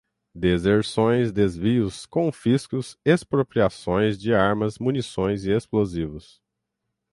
Deserções, Desvios, Confiscos, Expropriações de Armas, Munições e Explosivos